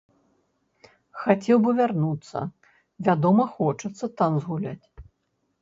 Хацеў бы вярнуцца, вядома хочацца там згуляць.